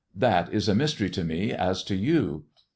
That is a mystery to me as to you.